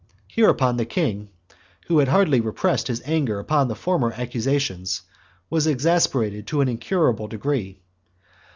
Hereupon the king, who had hardly repressed his anger upon the former accusations, was exasperated to an incurable degree.